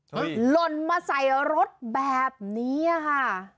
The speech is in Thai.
หล่นมาใส่รถแบบนี้ค่ะ